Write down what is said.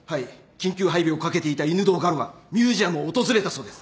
緊急配備をかけていた犬堂我路がミュージアムを訪れたそうです。